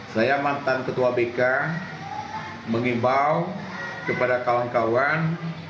saya mantan ketua bk mengimbau kepada kawan kawan